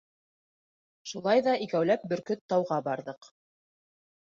Шулай ҙа икәүләп Бөркөт тауға барҙыҡ.